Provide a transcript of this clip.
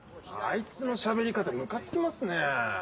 あいつのしゃべり方ムカつきますね。